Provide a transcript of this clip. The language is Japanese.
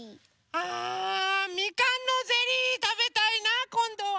ああみかんのゼリーたべたいなあこんどは。